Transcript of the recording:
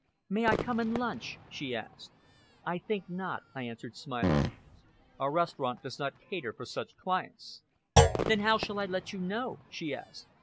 "May I come and lunch?" she asked. "I think not," I answered, smiling. "Our restaurant does not cater for such clients." "Then how shall I let you know?" she asked.